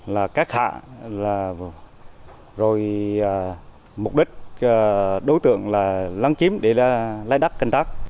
là các hạ rồi mục đích đối tượng là lán chiếm để lái đắt cân tác